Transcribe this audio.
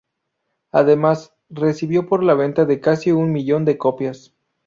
Además, recibió por la venta de casi un millón de copias.